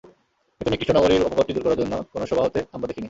কিন্তু নিকৃষ্ট নগরীর অপবাদটি দূর করার জন্য কোনো সভা হতে আমরা দেখিনি।